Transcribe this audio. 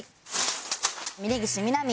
峯岸みなみ